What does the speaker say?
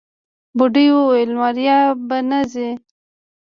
بوډۍ وويل ماريا به نه ځي.